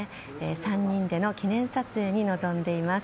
３人での記念撮影に臨んでいます。